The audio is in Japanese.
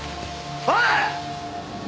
おい！